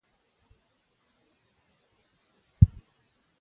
الماري کې ځینې وخت بوټي هم وي